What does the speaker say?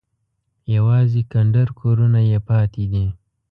یوازې کنډر کورونه یې پاتې دي.